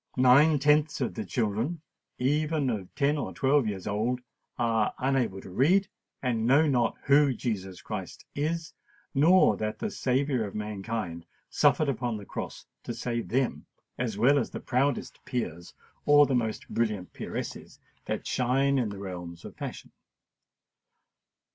Nine tenths of the children, even of ten or twelve years old, are unable to read, and know not who Jesus Christ is, nor that the Saviour of Mankind suffered upon the cross to save them, as well as the proudest peers or the most brilliant peeresses that shine in the realms of fashion.